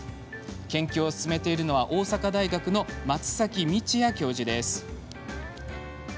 研究を進める大阪大学の松崎典弥教授です。